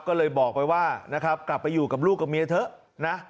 ก็เลยบอกไปว่านะครับกลับไปอยู่กับลูกกับเมียเถอะนะ